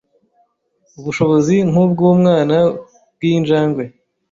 ubushobozi nk’ubw’ubwanwa bw’injangwe,